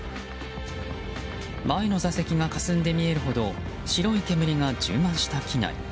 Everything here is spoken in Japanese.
前の座席がかすんで見えるほど白い煙が充満した機内。